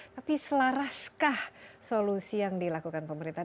tapi selaraskah solusi yang dilakukan pemerintah